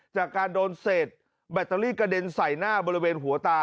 จากการโดนเศษแบตเตอรี่กระเด็นใส่หน้าบริเวณหัวตา